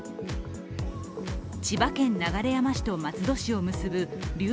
千葉県流山市と松戸市を結ぶ流